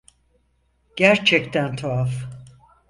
Gerçekten tuhaf.